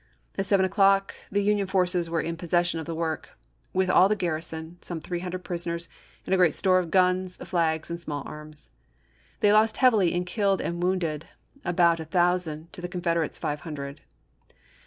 At seven o'clock the Union forces were in possession of the work, with all the garrison, some three hundred prisoners, and a great store of guns, flags, and small arms. They lost heavily in killed and wounded — about a thousand, to the Confederates' five hundred.